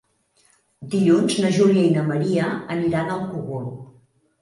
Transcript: Dilluns na Júlia i na Maria aniran al Cogul.